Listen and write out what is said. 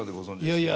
いやいや。